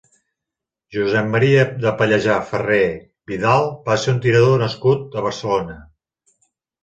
Josep Maria de Pallejà Ferrer-Vidal va ser un tirador nascut a Barcelona.